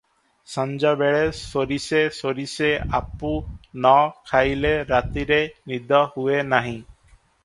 ସଞ୍ଜବେଳେ ସୋରିଷେ ସୋରିଷେ ଆପୁ ନ ଖାଇଲେ ରାତିରେ ନିଦ ହୁଏ ନାହିଁ ।